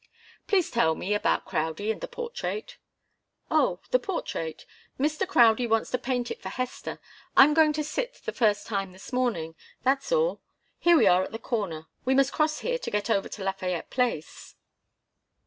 "Please tell me about Crowdie and the portrait." "Oh the portrait? Mr. Crowdie wants to paint it for Hester. I'm going to sit the first time this morning. That's all. Here we are at the corner. We must cross here to get over to Lafayette Place."